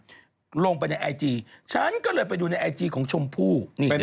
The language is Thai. หนูก็แค่ลงไปในไอจีฉันก็เลยไปดูในไอจีของชมผู้